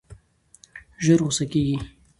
ژر غوسه کېږي.